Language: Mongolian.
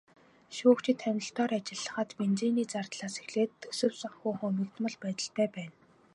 Шүүгчид томилолтоор ажиллахад бензиний зардлаас эхлээд төсөв санхүү хумигдмал байдалтай байна.